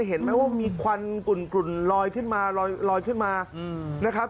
เห็นไหมว่ามีควันกุ่นลอยขึ้นมาลอยขึ้นมานะครับ